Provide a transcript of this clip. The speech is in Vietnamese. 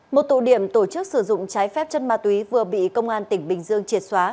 một tụ điểm tổ chức sử dụng trái phép chân ma túy vừa bị công an tp vĩnh long triệt xóa